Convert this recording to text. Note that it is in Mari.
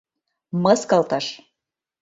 Мыскылтыш!..